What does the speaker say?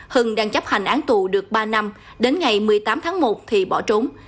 hưng đang chấp hành án tù được ba năm đến ngày một mươi tám tháng một thì bỏ trốn